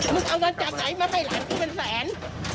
เอาเงินจากไหนมาให้หลานกูเป็นแสน